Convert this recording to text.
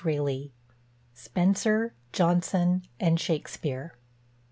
SPENSER, JONSON, AND SHAKSPEARE.